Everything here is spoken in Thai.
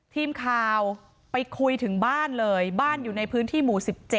ทีมข่าวไปคุยถึงบ้านเลยบ้านอยู่ในพื้นที่หมู่๑๗